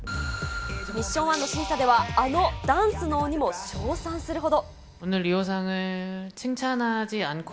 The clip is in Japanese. ミッション１の審査では、あのダンスの鬼も称賛するほど。